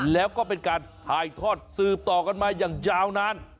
แล้วก็เป็นการถ่ายทอดสืบต่อกันมาอย่างยาวนาน